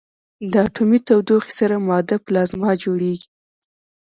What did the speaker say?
د اټومي تودوخې سره ماده پلازما جوړېږي.